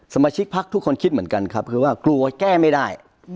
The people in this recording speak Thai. สมาชิกพักทุกคนคิดเหมือนกันครับคือว่ากลัวแก้ไม่ได้